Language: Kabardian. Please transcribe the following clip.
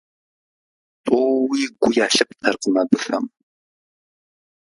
ТӀууи гу ялъыптэркъым абыхэм.